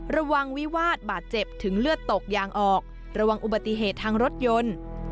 วิวาสบาดเจ็บถึงเลือดตกยางออกระวังอุบัติเหตุทางรถยนต์